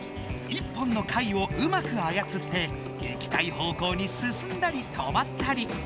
１本の櫂をうまくあやつって行きたい方向にすすんだり止まったり。